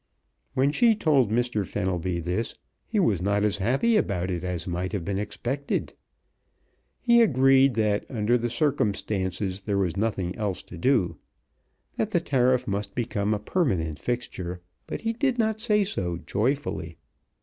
When she told Mr. Fenelby this he was not as happy about it as might have been expected. He agreed that under the circumstances there was nothing else to do; that the tariff must become a permanent fixture; but he did not say so joyfully.